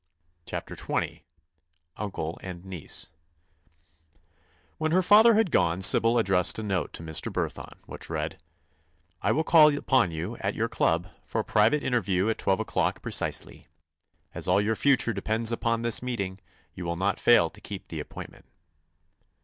CHAPTER XX UNCLE AND NIECE When her father had gone Sybil addressed a note to Mr. Burthon which read: "I will call upon you, at your club, for a private interview at twelve o'clock precisely. As all your future depends upon this meeting you will not fail to keep the appointment."